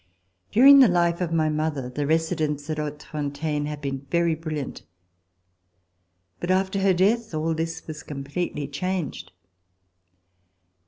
During the life of my mother the residence at Hautefontaine had been very brilliant, but after her death all this was completely changed.